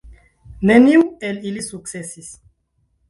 Neniu el ili sukcesis.